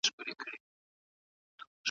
تل د هيواد په اقتصادي بحثونو کي برخه واخلئ.